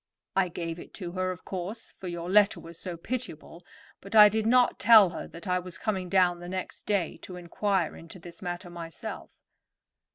I gave it to her, of course, for your letter was so pitiable; but I did not tell her that I was coming down the next day to inquire into this matter myself."